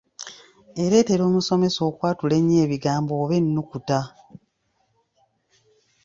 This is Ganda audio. Ereetera omusomesa okwatula ennyo ebigambo oba ennukuta.